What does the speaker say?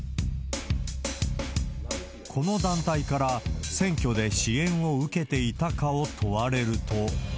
この団体から選挙で支援を受けていたかを問われると。